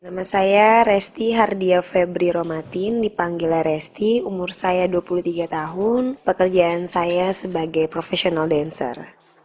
nama saya resti hardia febri romatin dipanggilnya resti umur saya dua puluh tiga tahun pekerjaan saya sebagai professional dancer